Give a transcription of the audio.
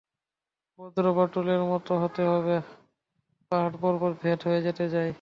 বজ্রবাঁটুলের মত হতে হবে, পাহাড় পর্বত ভেদ হয়ে যাতে যায়।